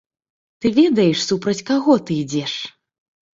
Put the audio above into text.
Ты ведаеш, супроць каго ты ідзеш?